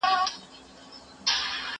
هغه وويل چي لوښي مينځل مهم دي!؟